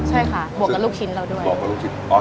ใช่ค่ะบวกกับลูกชิ้นเราด้วย